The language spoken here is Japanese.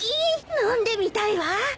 飲んでみたいわ！